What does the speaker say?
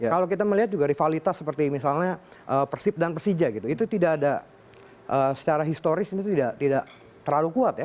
kalau kita melihat juga rivalitas seperti misalnya persib dan persija gitu itu tidak ada secara historis itu tidak terlalu kuat ya